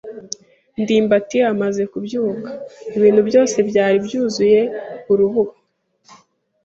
ndimbati amaze kubyuka, ibintu byose byari byuzuye urubura.